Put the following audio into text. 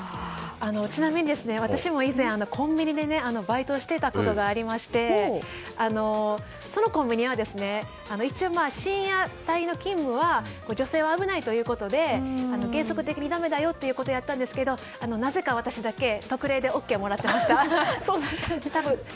ちなみに私も以前コンビニでバイトしていたことがありましてそのコンビニは、一応深夜帯の勤務は女性は危ないということで原則的にだめだよということやったんですけど、なぜか私だけ特例でＯＫもらってました。